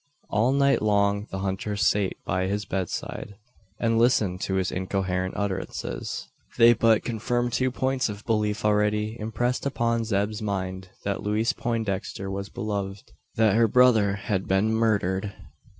All night long the hunter sate by his bedside, and listened to his incoherent utterances. They but confirmed two points of belief already impressed upon Zeb's mind: that Louise Poindexter was beloved; that her brother had been murdered!